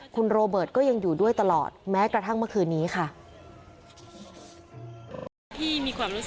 คุณโรเบิร์ตก็ยังอยู่ด้วยตลอดแม้กระทั่งเมื่อคืนนี้ค่ะ